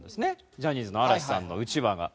ジャニーズの嵐さんのうちわが。